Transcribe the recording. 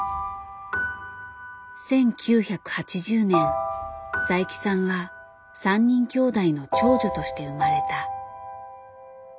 １９８０年佐伯さんは３人きょうだいの長女として生まれた。